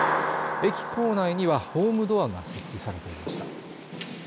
駅構内にはホームドアが設置されていました